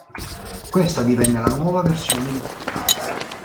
Questa divenne la nuova versione di punta.